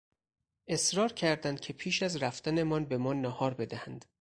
اصرار کردند که پیش از رفتنمان به ما ناهار بدهند.